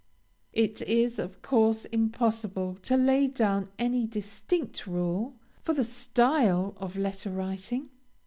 It is, of course, impossible to lay down any distinct rule for the style of letter writing.